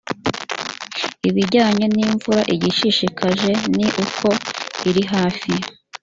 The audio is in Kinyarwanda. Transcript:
ibijyanye n imvura igishishikaje ni uko irihafi